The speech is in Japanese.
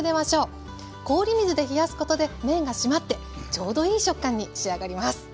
氷水で冷やすことで麺がしまってちょうどいい食感に仕上がります。